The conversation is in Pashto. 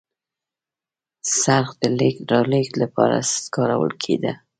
څرخ د لېږد رالېږد لپاره کارول کېده.